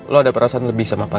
lo ada perasaan lebih sama pak